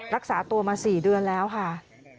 รักษาตัวมา๔เดือนแล้วค่ะ